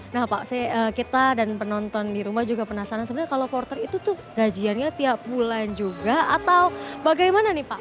nah pak kita dan penonton di rumah juga penasaran sebenarnya kalau porter itu tuh gajiannya tiap bulan juga atau bagaimana nih pak